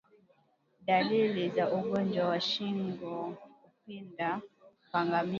Daliliza ugonjwa wa shingo kupinda kwa ngamia